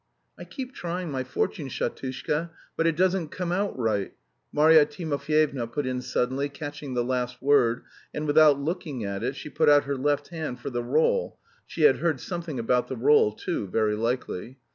"I keep trying my fortune, Shatushka, but it doesn't come out right," Marya Timofyevna put in suddenly, catching the last word, and without looking at it she put out her left hand for the roll (she had heard something about the roll too very likely).